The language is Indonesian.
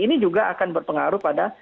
ini juga akan berpengaruh pada